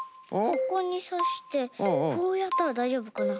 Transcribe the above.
ここにさしてこうやったらだいじょうぶかな？